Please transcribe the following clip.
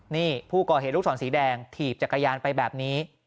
นี่ผู้ก่อเหตุลูกศรสีแดงถีบจักรยานไปแบบนี้